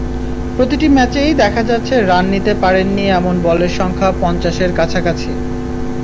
প্রতিটি ম্যাচেই দেখা যাচ্ছে রান নিতে পারেননি এমন বলের সংখ্যা পঞ্চাশের কাছাকাছি।